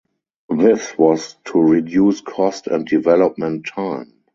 This was to reduce cost and development time.